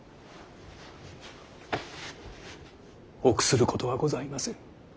臆することはございません。